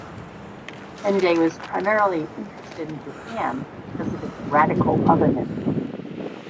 Ende was primarily interested in Japan because of its radical otherness.